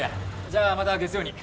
じゃあまた月曜に。